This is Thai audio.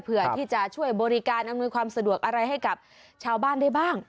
เพื่อที่จะช่วยบริการอำนวยความสะดวกอะไรให้กับชาวบ้านได้บ้าง